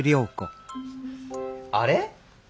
あれ？